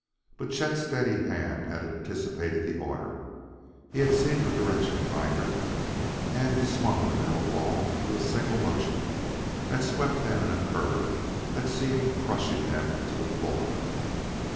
But Chet's steady hand had anticipated the order. He had seen the direction finder, and he swung the metal ball with a single motion that swept them in a curve that seemed crushing them to the floor.